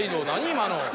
今の。